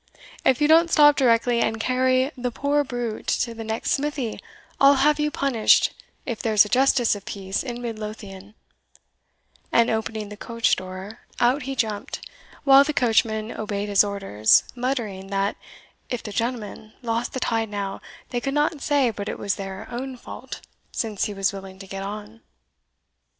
If you don't stop directly and carry the poor brute, to the next smithy, I'll have you punished, if there's a justice of peace in Mid Lothian;" and, opening the coach door, out he jumped, while the coachman obeyed his orders, muttering, that "if the gentlemen lost the tide now, they could not say but it was their ain fault, since he was willing to get on."